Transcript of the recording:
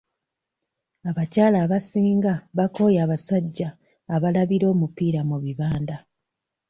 Abakyala abasinga baakooye abasajja abalabira omupiira mu bibanda.